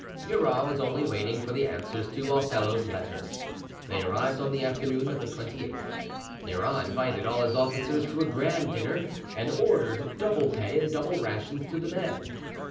Murat was only waiting for the answers to Othello's letters: they arrived on the afternoon of the 28th. Murat invited all his officers to a grand dinner, and ordered double pay and double rations to the men.